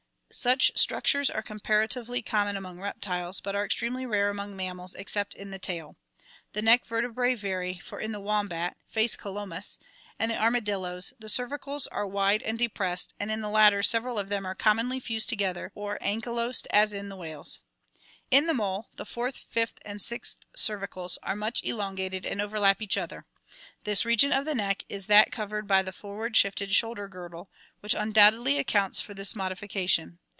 Such structures are comparatively common among reptiles, but are extremely rare among mammals except in the tail. The neck vertebrae vary, for in the wombat (Phascolomys) and the arma dillos the cervicals are wide and depressed, and in the latter several of them are commonly fused together or anchylosed as in the whales. In the mole the fourth, fifth, and sixth cervicals are much elon gated and overlap each other. This region of the neck is that cov ered by the forward shifted shoulder girdle, which undoubtedly accounts for this modification.